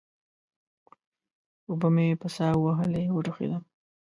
اوبه مې په سا ووهلې؛ وټوخېدم.